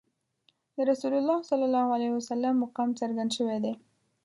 د رسول الله صلی الله علیه وسلم مقام څرګند شوی دی.